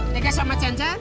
tega sama cen cen